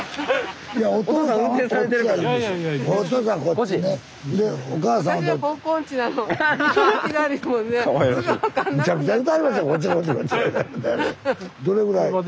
はい。